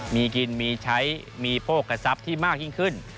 มีกินมีใช้มีโภคทรัพย์ที่มากยิ่งขึ้น